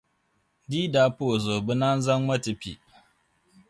Di yi di daa pa o zuɣu, bɛ naan zaŋ ma n-ti pi.